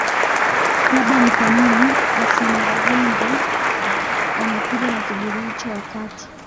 labda ni kwa nini arsene venga amekuja na kiburi hicho wakati